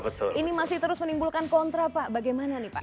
ini masih terus menimbulkan kontra pak bagaimana nih pak